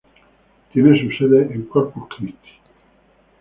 Tiene su sede en Corpus Christi.